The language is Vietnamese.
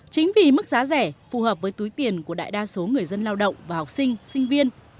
chính vì mức giá rẻ phù hợp với túi tiền của đại đa số người dân lao động và học sinh sinh viên